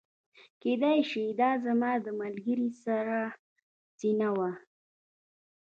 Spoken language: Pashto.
کیدای شي دا زما د ملګري سړه سینه وه